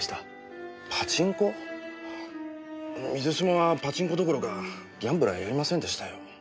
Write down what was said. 水嶋はパチンコどころかギャンブルはやりませんでしたよ。